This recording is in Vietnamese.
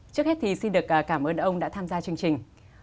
trước hết thì xin được cảm ơn ông đã tham gia chương trình